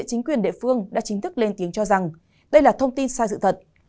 chính quyền địa phương đã chính thức lên tiếng cho rằng đây là thông tin sai sự thật